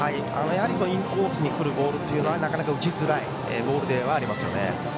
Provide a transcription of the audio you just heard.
やはりインコースへのボールというのはなかなか打ちづらいボールですね。